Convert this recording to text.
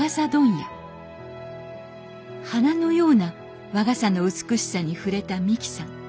花のような和傘の美しさにふれた美紀さん。